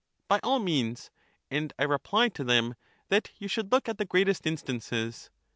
By all means, and I reply to them, that you should look at the greatest instances.